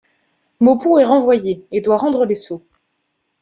Maupeou est renvoyé et doit rendre les sceaux.